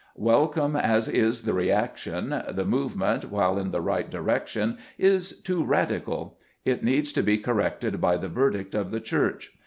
'' Welcome as is the reaction, the movement, while in the right direction, is too radical. It needs to be corrected by the verdict of the Church.